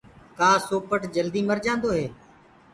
ڪآ سوپٽ جلدي مر جآندو هي؟